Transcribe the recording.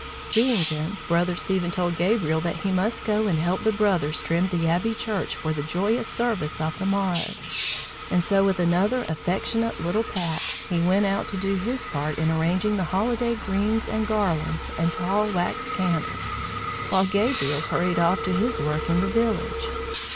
Seeing him, Brother Stephen told Gabriel that he must go and help the brothers trim the Abbey church for the joyous service of the morrow; and so with another affectionate little pat, he went out to do his part in arranging the holiday greens and garlands and tall wax candles, while Gabriel hurried off to his work in the village.